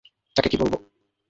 তাকে কী বলবো?